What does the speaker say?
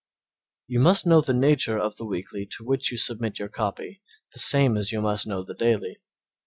You must know the nature of the weekly to which you submit your copy the same as you must know the daily.